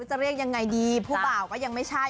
จะเรียกยังไงดีผู้บ่าวก็ยังไม่ใช่